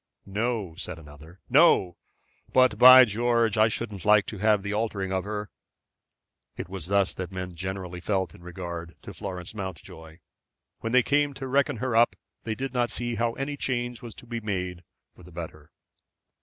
"No," said another, "no. But, by George! I shouldn't like to have the altering of her." It was thus that men generally felt in regard to Florence Mountjoy. When they came to reckon her up they did not see how any change was to be made for the better.